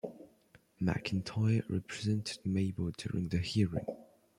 McIntyre represented Mabo during the hearings.